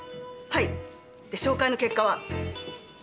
はい照会の結果は？